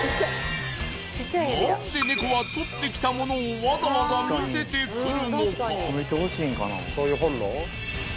何でネコは捕ってきたものをわざわざ見せてくるのか？